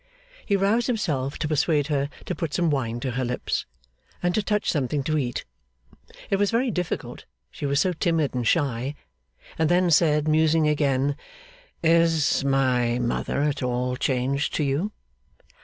He roused himself to persuade her to put some wine to her lips, and to touch something to eat it was very difficult, she was so timid and shy and then said, musing again: 'Is my mother at all changed to you?